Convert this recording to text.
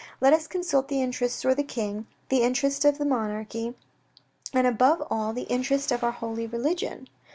Let us consult the interests 01 the king, the interest of the monarchy, and above all, the interest of our holy religion.